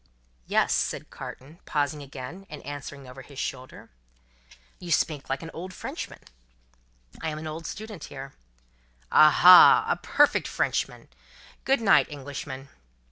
"Yes," said Carton, pausing again, and answering over his shoulder. "You speak like a Frenchman." "I am an old student here." "Aha, a perfect Frenchman! Good night, Englishman."